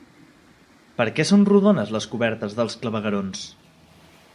Per què són rodones les cobertes dels claveguerons?